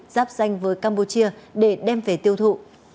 giáp danh với campuchia để đem về tiêu thụ